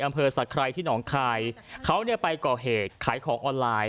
อำเภอสักไรที่หนองคายเขาเนี่ยไปก่อเหตุขายของออนไลน์